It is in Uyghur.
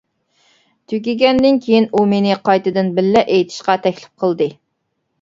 تۈگىگەندىن كېيىن ئۇ مېنى قايتىدىن بىللە ئېيتىشقا تەكلىپ قىلدى.